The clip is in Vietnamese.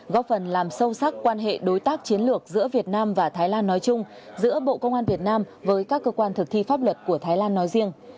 góp phần làm sâu sắc quan hệ đối tác chiến lược giữa việt nam và thái lan nói chung giữa bộ công an việt nam với các cơ quan thực thi pháp luật của thái lan nói riêng